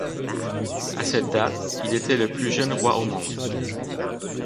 À cette date, il était le plus jeune roi au monde.